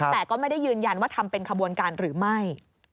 แต่ก็ไม่ได้ยืนยันว่าทำเป็นขบวนการหรือไม่